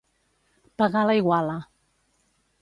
Pagar la iguala.